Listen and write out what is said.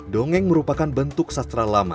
dongeng merupakan bentuk sastra